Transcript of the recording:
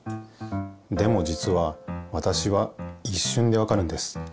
でもじつはわたしはいっしゅんでわかるんです。